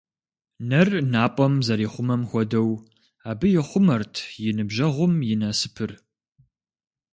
Нэр напӏэм зэрихъумэм хуэдэу, абы ихъумэрт и ныбжьэгъум и насыпыр.